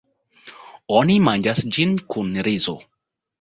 Oni manĝas ĝin kun rizo.